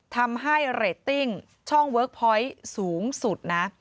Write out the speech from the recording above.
ทำให้เรตติ้งช่องเวิร์คพอยต์สูงสุดนะ